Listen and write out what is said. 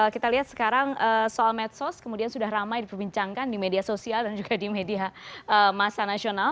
kita lihat sekarang soal medsos kemudian sudah ramai diperbincangkan di media sosial dan juga di media masa nasional